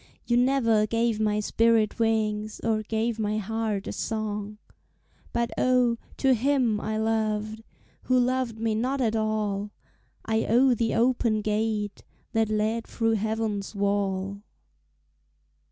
You never gave my spirit wings Or gave my heart a song. But oh, to him I loved, Who loved me not at all, I owe the open gate That led through heaven's wall.